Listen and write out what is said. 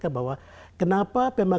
kita tidak bisa memiliki perubahan yang baik